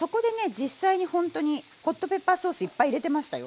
実際にほんとにホットペッパーソースいっぱい入れてましたよ。